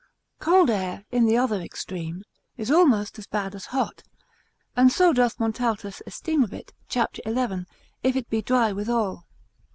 Cold air in the other extreme is almost as bad as hot, and so doth Montaltus esteem of it, c. 11, if it be dry withal.